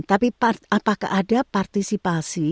tapi apakah ada partisipasi